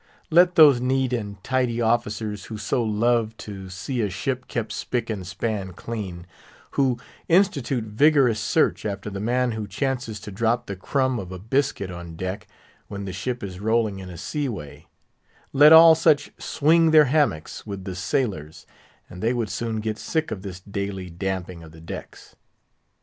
Let those neat and tidy officers who so love to see a ship kept spick and span clean; who institute vigorous search after the man who chances to drop the crumb of a biscuit on deck, when the ship is rolling in a sea way; let all such swing their hammocks with the sailors; and they would soon get sick of this daily damping of the decks.